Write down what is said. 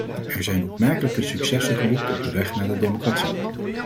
Er zijn opmerkelijke successen geboekt op de weg naar de democratie.